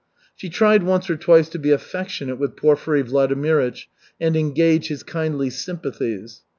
She tried once or twice to be affectionate with Porfiry Vladimirych and engage his kindly sympathies.